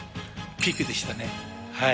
ピークでしたね。